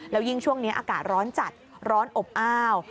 แล้วยิ่งช่วงนี้อากาศร้อนจัดร้อนอบอ้าว